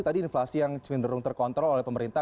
tadi inflasi yang cenderung terkontrol oleh pemerintah